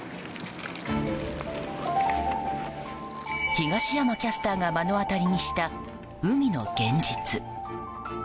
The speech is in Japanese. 東山キャスターが目の当たりにした海の現実。